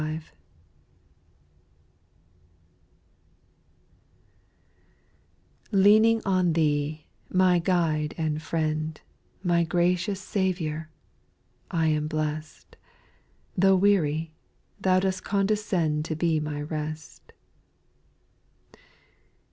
T EANING on Thee, my Guide and Friend, Jj My gracious Saviour I I am blest ; Tho' weary, Tliou dost condescend To he my rest.